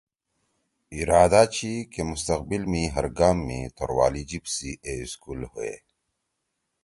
ارادہ چھی کہ مستقبل می ہر گام می توروالی جیِب سی اے سکول ہوئے۔